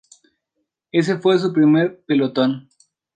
Ese fue su primer pelotón.